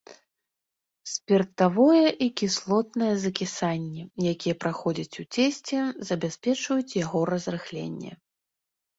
Спіртавое і кіслотнае закісанні, якія праходзяць у цесце, забяспечваюць яго разрыхленне.